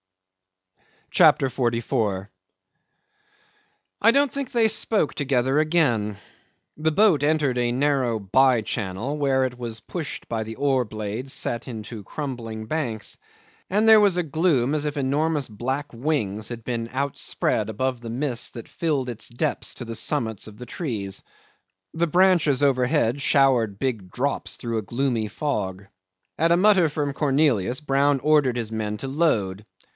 CHAPTER 44 'I don't think they spoke together again. The boat entered a narrow by channel, where it was pushed by the oar blades set into crumbling banks, and there was a gloom as if enormous black wings had been outspread above the mist that filled its depth to the summits of the trees. The branches overhead showered big drops through the gloomy fog. At a mutter from Cornelius, Brown ordered his men to load.